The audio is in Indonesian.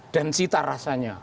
dan cita rasanya